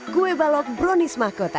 kue balok dronis mahkota